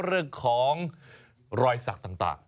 เรื่องของรอยสักต่าง